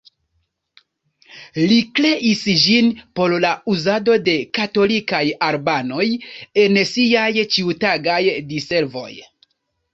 Li kreis ĝin por la uzado de katolikaj albanoj en siaj ĉiutagaj diservoj.